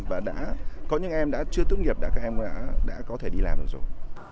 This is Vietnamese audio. và có những em đã chưa tốt nghiệp các em đã có thể đi làm được rồi